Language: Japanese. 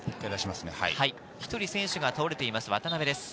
１人選手が倒れています、渡邊です。